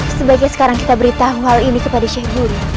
sebaiknya sekarang kita beritahu hal ini kepada syekh bunda